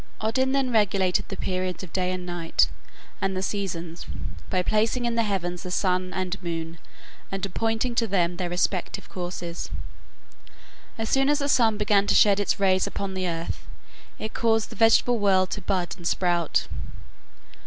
Odin then regulated the periods of day and night and the seasons by placing in the heavens the sun and moon and appointing to them their respective courses. As soon as the sun began to shed its rays upon the earth, it caused the vegetable world to bud and sprout.